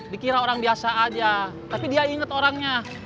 dikira orang biasa aja tapi dia inget orangnya